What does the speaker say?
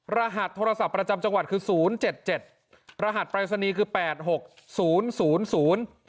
รหัสโทรศัพท์ประจำจังหวัดคือศูนย์เจ็ดเจ็ดรหัสปรายศนีย์คือแปดหกศูนย์ศูนย์ศูนย์